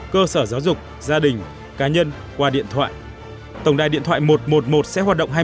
cơ sở giáo dục gia đình cá nhân qua điện thoại tổng đài điện thoại một trăm một mươi một sẽ hoạt động hai mươi bốn